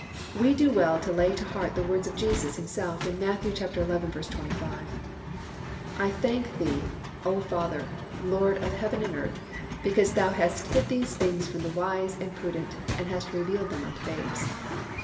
We do well to lay to heart the words of Jesus Himself in Matt. xi. 25, "I thank thee, O Father, Lord of heaven and earth, because Thou hast hid these things from the wise and prudent, and hast revealed them unto babes."